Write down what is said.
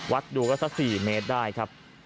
ดูก็สัก๔เมตรได้ครับ